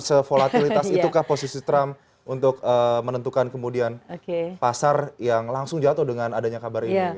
se volatilitas itukah posisi trump untuk menentukan kemudian pasar yang langsung jatuh dengan adanya kabar ini